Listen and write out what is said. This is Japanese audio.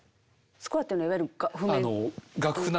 スコアってのはいわゆる譜面？